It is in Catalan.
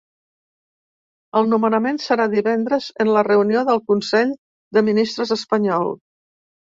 El nomenament serà divendres en la reunió del consell de ministres espanyol.